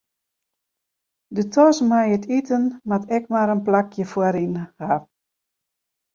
De tas mei iten moat ek mar in plakje foaryn ha.